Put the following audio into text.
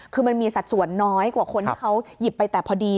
คือมันมีสัดส่วนน้อยกว่าคนที่เขาหยิบไปแต่พอดี